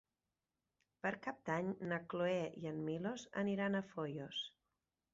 Per Cap d'Any na Cloè i en Milos aniran a Foios.